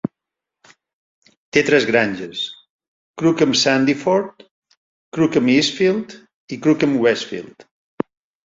Té tres granges: Crookham Sandyford, Crookham Eastfield, i Crookham Westfield.